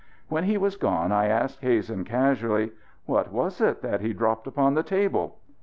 When he was gone I asked Hazen casually: "What was it that he dropped upon the table?"